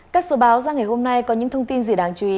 các số báo ra ngày hôm nay có những thông tin gì đáng chú ý